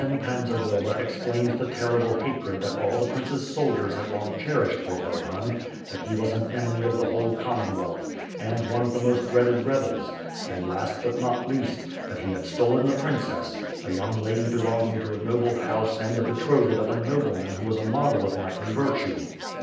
Pan Zagloba explained the terrible hatred that all the prince's soldiers had long cherished for Bohun, that he was an enemy of the whole Commonwealth, and one of the most dreaded rebels; and last, but not least, that he had stolen the princess, a young lady belonging to a noble house and the betrothed of a nobleman who was a model of knightly virtue.